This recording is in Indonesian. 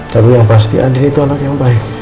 tapi yang pasti andri itu anak yang baik